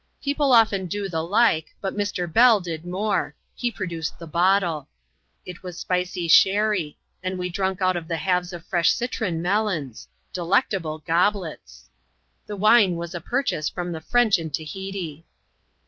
People often do the like ; but Mr. Bell did more : he produced the bottle. It was spicy sherry ; and we drank out of the halves of fresh citron melons. Delectable goblets ! The wine was a purchase from the French in Tahiti.